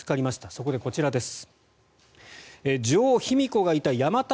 そこでこちらです。